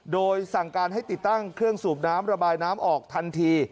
โดยสั่งการให้ติดตั้งเครื่องสูบน้ำระบายน้ำออกทันที